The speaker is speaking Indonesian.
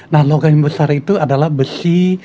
nah logam besar itu adalah besi